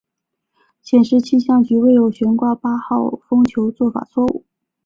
显示气象局未有悬挂八号风球做法错误。